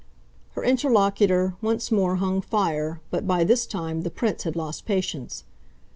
Her interlocutor once more hung fire, but by this time the Prince had lost patience.